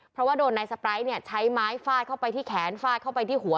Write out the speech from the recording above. เพราะว่าโดนนายสปร้ายเนี่ยใช้ไม้ฟาดเข้าไปที่แขนฟาดเข้าไปที่หัว